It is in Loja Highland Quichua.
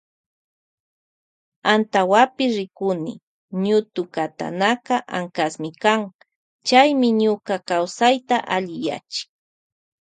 Antawapi rikuni ñutukatanaka ankasmi kan chaymi ñuka kawsayta alliyachin.